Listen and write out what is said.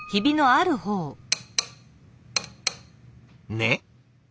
ねっ？